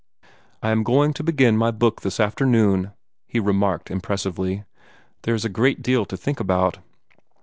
"I am going to begin my book this afternoon," he remarked impressively. "There is a great deal to think about."